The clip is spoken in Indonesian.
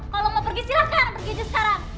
kalau lo mau pergi silahkan pergi aja sekarang